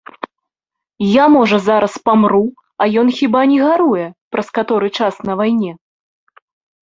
Я, можа, зараз памру, а ён хіба не гаруе, праз каторы час на вайне?!